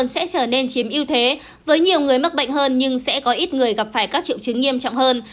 sẽ trở nên chiếm ưu thế với nhiều người mắc bệnh hơn nhưng sẽ có ít người gặp phải các triệu chứng nghiêm trọng hơn